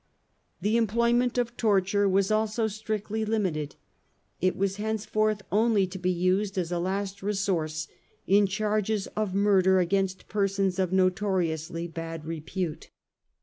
The employment of torture was also strictly limited : it was henceforth only to be used as a last re source in charges of murder against persons of notoriously bad repute.